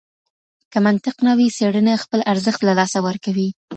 که منطق نه وي څېړنه خپل ارزښت له لاسه ورکوي.